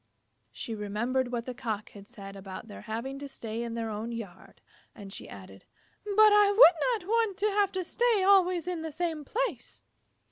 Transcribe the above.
She remembered what the Cock had said about their having to stay in their own yard, and she added, "But I would not want to have to stay always in the same place."